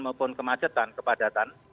maupun kemacetan kepadatan